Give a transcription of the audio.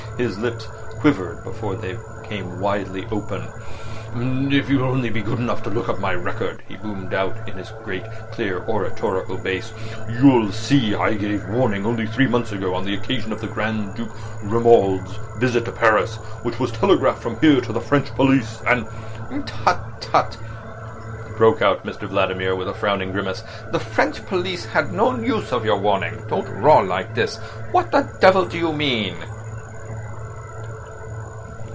His lips quivered before they came widely open. "If you'll only be good enough to look up my record," he boomed out in his great, clear oratorical bass, "you'll see I gave a warning only three months ago, on the occasion of the Grand Duke Romuald's visit to Paris, which was telegraphed from here to the French police, and—" "Tut, tut!" broke out Mr Vladimir, with a frowning grimace. "The French police had no use for your warning. Don't roar like this. What the devil do you mean?"